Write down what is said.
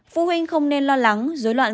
phụ huynh không nên lo lắng dối loạn